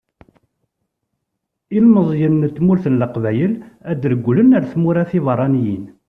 Ilmeẓyen n tmurt n leqbayel ad regglen ara tmura tibeṛṛaniyin.